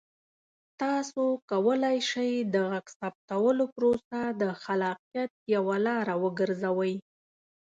تاسو کولی شئ د غږ ثبتولو پروسه د خلاقیت یوه لاره وګرځوئ.